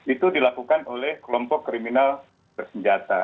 itu dilakukan oleh kelompok kriminal bersenjata